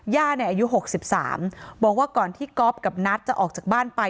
อายุ๖๓บอกว่าก่อนที่ก๊อฟกับนัทจะออกจากบ้านไป